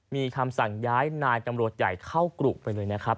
มีคำสั่งย้ายนายตำรวจใหญ่เข้ากรุไปเลยนะครับ